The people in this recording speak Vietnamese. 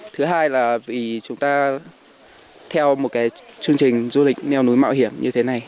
thứ hai là vì chúng ta theo một chương trình du lịch neo núi mạo hiểm như thế này